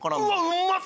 うまっ！